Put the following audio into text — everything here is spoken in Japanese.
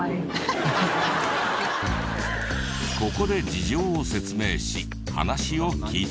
ここで事情を説明し話を聞いた。